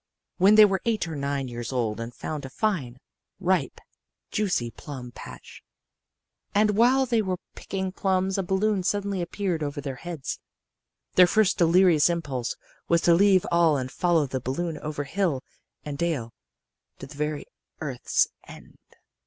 "When they were eight or nine years old and found a fine, ripe, juicy plum patch, and while they were picking plums a balloon suddenly appeared over their heads, their first delirious impulse was to leave all and follow the balloon over hill and dale to the very earth's end.